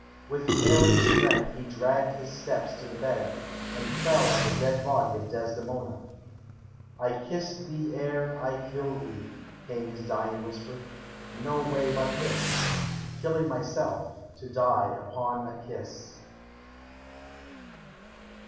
With failing strength he dragged his steps to the bed, and fell on the dead body of Desdemona. "I kissed thee ere I killed thee," came his dying whisper. "No way but this: killing myself, to die upon a kiss."